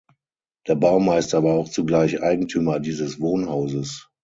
Der Baumeister war auch zugleich Eigentümer dieses Wohnhauses.